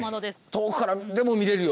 遠くからでも見れるように。